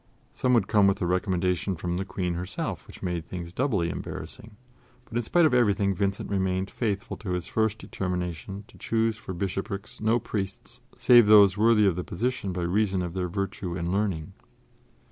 Some would come with a recommendation from the Queen herself, which made things doubly embarrassing; but in spite of everything Vincent remained faithful to his first determination to choose for bishoprics no priests save those worthy of the position by reason of their virtue and learning.